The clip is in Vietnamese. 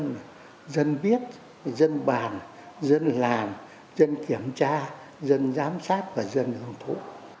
nhân viên dân biết dân bàn dân làm dân kiểm tra dân giám sát và dân hưởng thụ